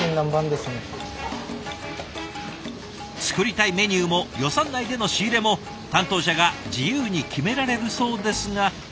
作りたいメニューも予算内での仕入れも担当者が自由に決められるそうですが。